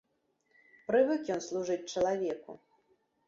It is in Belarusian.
Прывык ён служыць чалавеку.